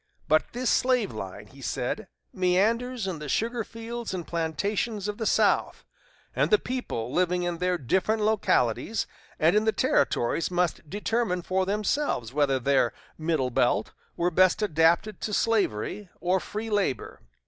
But this slave line, he said, meanders in the sugar fields and plantations of the South, and the people living in their different localities and in the Territories must determine for themselves whether their "middle belt" were best adapted to slavery or free labor.